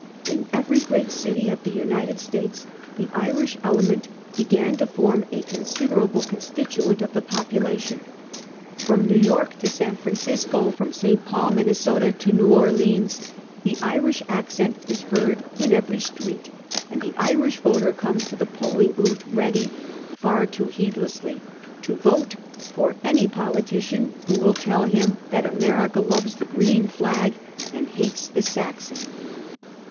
In every great city of the United States the Irish element began to form a considerable con stituent of the population. From New York to San Francisco, from St. Paul, Minnesota, to New Orleans, the Irish accent is heard in every street,, and the Irish voter comes to the polling booth ready, far too heed lessly, to vote for any politician who will tell him that America loves the green flag and hates the Saxon.